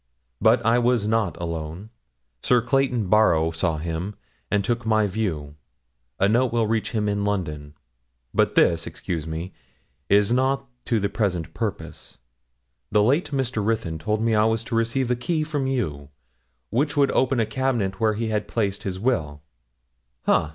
But I was not alone; Sir Clayton Barrow saw him, and took my view; a note will reach him in London. But this, excuse me, is not to the present purpose. The late Mr. Ruthyn told me I was to receive a key from you, which would open a cabinet where he had placed his will ha!